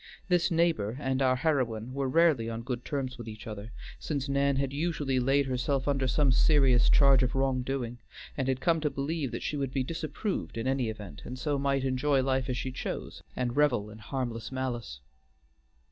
This neighbor and our heroine were rarely on good terms with each other, since Nan had usually laid herself under some serious charge of wrong doing, and had come to believe that she would be disapproved in any event, and so might enjoy life as she chose, and revel in harmless malice.